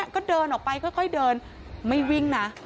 ก็เดินออกไปค่อยเดินไม่วิ่งนะ